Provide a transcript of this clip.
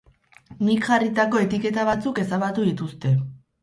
Nik jarritako etiketa batzuk ezabatu dituzte.